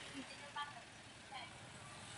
কিন্তু কর্ম ত্যাগ করিয়া শান্তি লাভ করিতে পারে না।